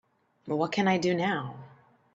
what can I do now?